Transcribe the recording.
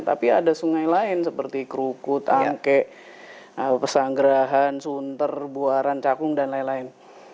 tapi ada sungai lain seperti krukut angke pesanggerahan sunter buaran cakung dan lain lain